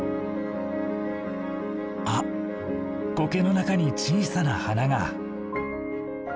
あっコケの中に小さな花が。